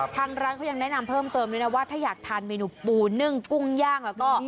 ทางร้านเขายังแนะนำเพิ่มเติมถ้าอยากทานเมนูปูนึ่งกุ้งย่าง